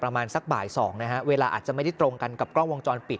ประมาณสักบ่าย๒นะฮะเวลาอาจจะไม่ได้ตรงกันกับกล้องวงจรปิด